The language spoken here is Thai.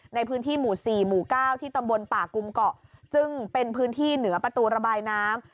ในพื้นที่หมู่๔หมู่๙ที่ตำบลป่ากุมเกาะซึ่งเป็นพื้นที่เหนือประตูระบายน้ำ